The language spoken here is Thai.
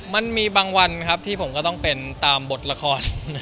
มันมีบางวันครับที่ผมก็ต้องเป็นตามบทละคร